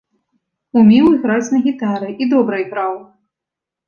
Умеў іграць на гітары і добра іграў.